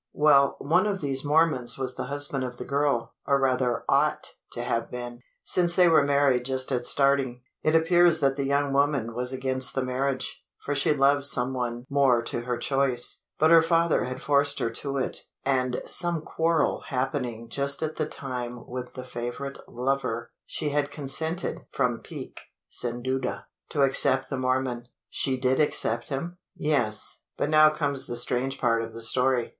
"Well one of these Mormons was the husband of the girl, or rather ought to have been since they were married just at starting. It appears that the young woman was against the marriage for she loved some one more to her choice but her father had forced her to it; and some quarrel happening just at the time with the favourite lover, she had consented from pique, sin duda to accept the Mormon." "She did accept him?" "Yes but now comes the strange part of the story.